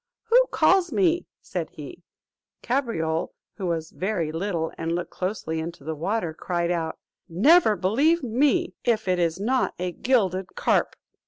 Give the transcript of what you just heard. "Who calls me?" said he; Cabriole, who was very little and looked closely into the water, cried out, "Never believe me, if it is not a gilded carp."